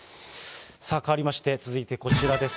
変わりまして続いて、こちらです。